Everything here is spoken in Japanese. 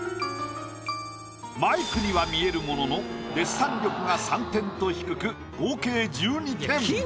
マイクには見えるもののデッサン力が３点と低く合計１２点。